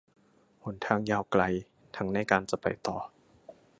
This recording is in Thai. หนทางยาวไกล ทั้งในการจะไปต่อ